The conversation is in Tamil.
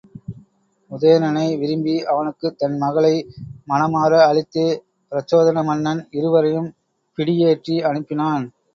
உதயணனை விரும்பி அவனுக்குத் தன் மகளை மனமாற அளித்தே பிரச்சோதன மன்னன் இருவரையும் பிடியேற்றி அனுப்பினான்.